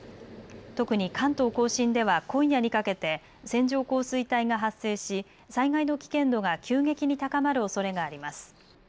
特に関東甲信では今夜にかけて線状降水帯が発生し災害の危険度が急激に高まるおそれがあります。